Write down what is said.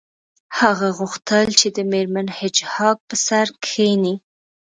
هغه غوښتل چې د میرمن هیج هاګ په سر کښینی